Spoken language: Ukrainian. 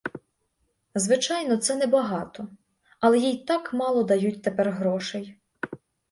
Звичайно, це небагато, але їй так мало дають тепер грошей.